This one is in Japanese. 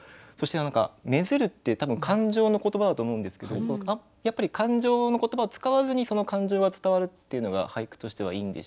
そして何か「愛づる」って多分感情の言葉だと思うんですけどやっぱり感情の言葉を使わずにその感情が伝わるっていうのが俳句としてはいい